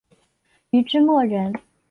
禹之谟人。